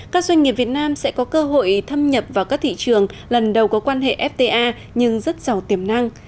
các doanh nghiệp việt nam sẽ có cơ hội thâm nhập vào các thị trường lần đầu có quan hệ fta nhưng rất giàu tiềm năng